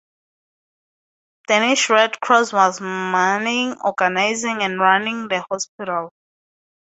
Danish Red Cross was manning, organizing and running the hospital.